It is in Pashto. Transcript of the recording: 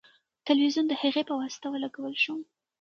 تلویزیون د هغې په واسطه ولګول شو.